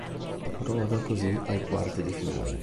Approda così ai quarti di finale.